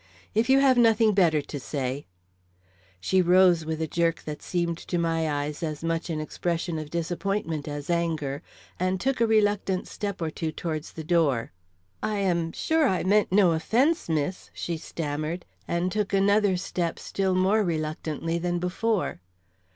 If you have nothing better to say " She rose with a jerk that seemed to my eyes as much an expression of disappointment as anger, and took a reluctant step or two towards the door. "I am sure I meant no offence, miss," she stammered, and took another step still more reluctantly than before.